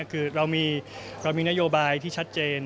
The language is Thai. คือเรามีนโยบายที่ชัดเจน